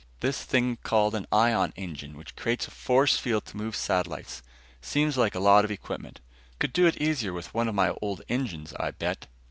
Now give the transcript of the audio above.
This thing called an ion engine, which creates a force field to move satellites, seems like a lot of equipment. Could do it easier with one of my old engines, I bet."